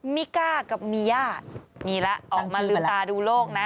มิก้ากับมีย่ามีละออกมาลืมตาดูโลกนะ